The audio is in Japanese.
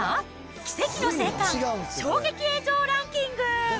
奇跡の生還、衝撃映像ランキング。